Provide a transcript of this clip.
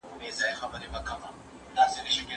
هغه څوک چي مړۍ خوري روغ وي!؟